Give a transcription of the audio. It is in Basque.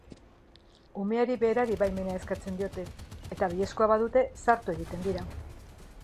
Umeari berari baimena eskatzen diote, eta baiezkoa badute, sartu egiten dira.